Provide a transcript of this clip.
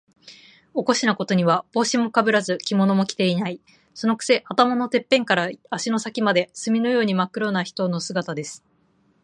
おかしなことには、帽子もかぶらず、着物も着ていない。そのくせ、頭のてっぺんから足の先まで、墨のようにまっ黒な人の姿です。